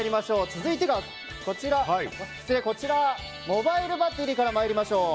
続いてが、こちらモバイルバッテリーから参りましょう。